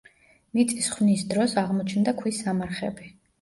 მიწის ხვნის დროს აღმოჩნდა ქვის სამარხები.